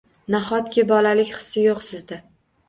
Nahotki bolalik hissi yo’q sizda?